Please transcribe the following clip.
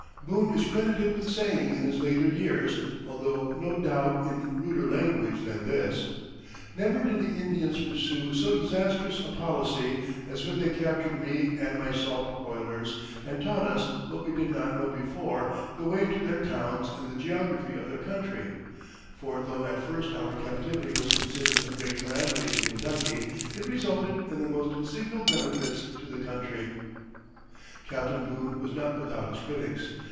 Boone is credited with saying in his later years, although no doubt in ruder language than this: "Never did the Indians pursue so disastrous a policy as when they captured me and my salt boilers, and taught us, what we did not know before, the way to their towns and the geography of their country; for though at first our captivity was considered a great calamity to Kentucky, it resulted in the most signal benefits to the country." Captain Boone was not without his critics.